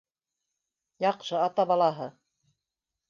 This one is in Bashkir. Яҡшы ата балаһы.